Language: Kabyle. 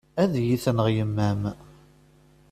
Ad yi-tenɣ yemma-m.